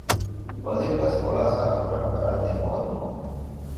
އޮލިމްޕަސް ފޮޅާ ސާފުކުރާނެ ފަރާތެއް ހޯދުމަށް